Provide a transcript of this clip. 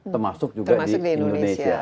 termasuk juga di indonesia